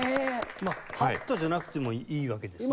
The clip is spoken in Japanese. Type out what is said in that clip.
まあハットじゃなくてもいいわけですね。